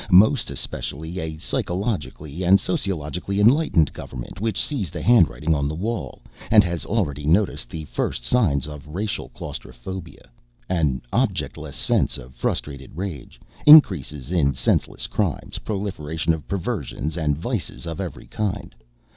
Most especially a psychologically and sociologically enlightened government which sees the handwriting on the wall, and has already noticed the first signs of racial claustrophobia an objectless sense of frustrated rage, increases in senseless crimes, proliferation of perversions and vices of every kind.